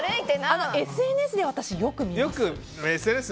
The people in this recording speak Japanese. ＳＮＳでは私、よく見ます。